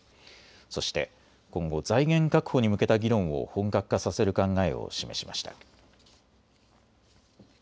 そして今後、財源確保に向けた議論を本格化させる考えを示しました。